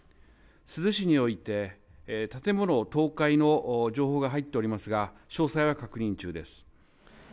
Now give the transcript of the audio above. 珠洲市において、建物倒壊の情報が入っておりますが、詳細は確認中です。